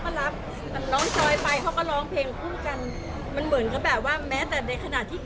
คอยจะโส่อยู่เรื่อยคอยจะเศร้าอยู่เรื่อย